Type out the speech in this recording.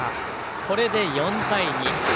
これで４対２。